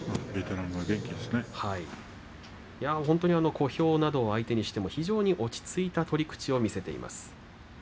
小兵などを相手にしても落ち着いた取り口を見せています。